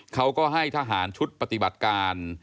เขาก็ให้ทหารชุดปฏิบัติการ